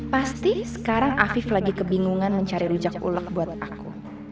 pasti sekarang afif lagi kebingungan mencari rujak ulek buat aku